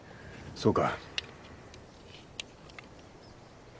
そうか。